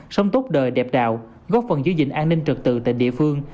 sống tốt đời đẹp đạo góp phần giữ gìn an ninh trực tự tại địa phương